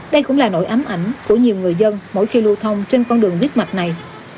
đây cũng là nỗi ám ảnh của nhiều người dân mỗi khi lưu thông trên con đường viết mạch này